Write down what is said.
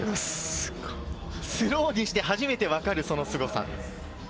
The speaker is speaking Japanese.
スローにして初めてわかる、そのすごさ。